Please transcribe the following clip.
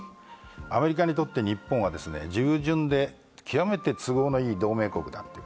アメリカにとって日本は従順で極めて都合のいい同盟国。